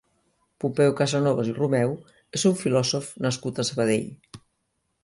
Pompeu Casanovas i Romeu és un filòsof nascut a Sabadell.